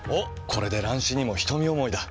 これで乱視にも瞳思いだ。